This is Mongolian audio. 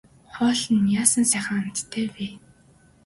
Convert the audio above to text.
Хоол нь яасан сайхан амттай вэ.